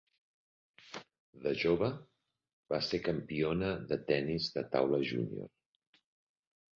De jove, va ser campiona de tennis de taula júnior.